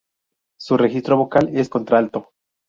Su registro vocal es contralto.